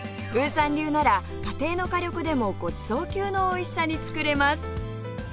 ウーさん流なら家庭の火力でもごちそう級のおいしさに作れます！